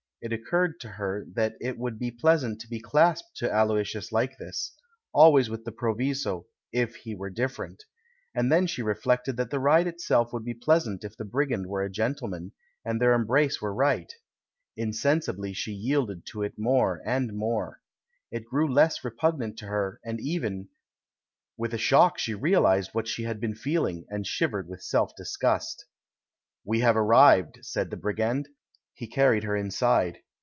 It occurred to her that it would be pleasant to be clasped to Aloysius like this — al ways with the proviso "if he were different" — and then she reflected that the ride itself would be pleasant if the brigand were a gentleman, and THE CHILD IN THE GARDEN 173 their embrace were right. Insensibly she yielded to it more and more. It grew less repugnant to her, and even With a shock she realised what she had been feeling, and shivered with self disgust. "We have arrived," said the brigand; he car ried her inside.